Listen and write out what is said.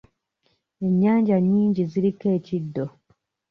Ennyanja nnyingi ziriko ekiddo.